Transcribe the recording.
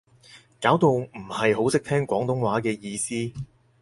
搞到唔係好識聽廣東話嘅意思